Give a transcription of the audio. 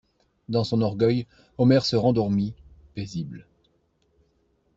Dans son orgueil, Omer se rendormit, paisible.